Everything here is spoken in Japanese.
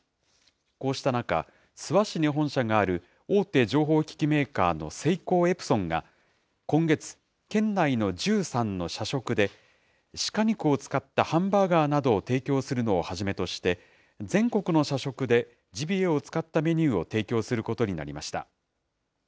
こうした中、諏訪市に本社がある、大手情報機器メーカーのセイコーエプソンが今月、県内の１３の社食で、鹿肉を使ったハンバーガーなどを提供するのをはじめとして、全国の社食でジビエを使ったメニューを提供することになりました。